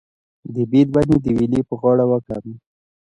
د بید ونې د ویالې په غاړه وکرم؟